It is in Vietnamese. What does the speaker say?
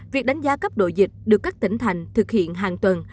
việc đánh giá cấp độ dịch được các tỉnh thành thực hiện hàng tuần